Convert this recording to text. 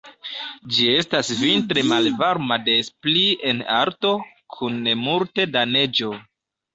Ĝi estas vintre malvarma des pli en alto, kun multe da neĝo.